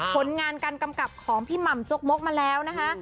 ผลงานการกำกับของพี่หม่ำจกมกมาแล้วนะคะ